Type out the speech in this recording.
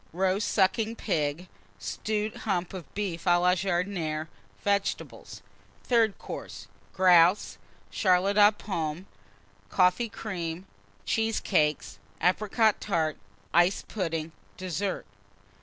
Roast Sucking Pig. Stewed Hump of Beef à la Jardinière. Vegetables. THIRD COURSE. Grouse. Charlotte aux Pommes. Coffee Cream. Cheesecakes. Apricot Tart. Iced Pudding. DESSERT.